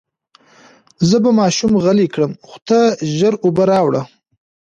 زه به ماشوم غلی کړم، خو ته ژر اوبه راوړه.